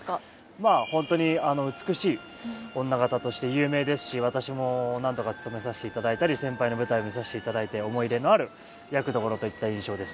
まあ本当に美しい女方として有名ですし私も何度かつとめさせていただいたり先輩の舞台見させていただいて思い入れのある役どころといった印象です。